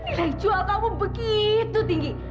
nilai jual kamu begitu tinggi